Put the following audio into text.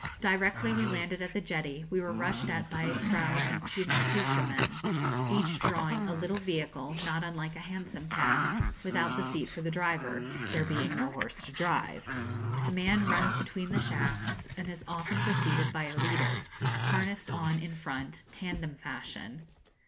Directly we landed at the jetty we were rushed at by a crowd of jinrikisha men, each drawing a little vehicle not unlike a Hansom cab, without the seat for the driver there being no horse to drive. The man runs between the shafts, and is often preceded by a leader, harnessed on in front, tandem fashion.